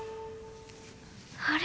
あれ？